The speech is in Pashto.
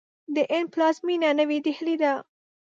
د هند پلازمینه نوی ډهلي ده.